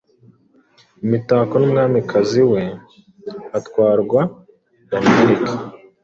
Imitako numwamikazi we batwarwa Danemark